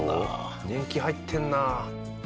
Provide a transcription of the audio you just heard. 年季入ってるな。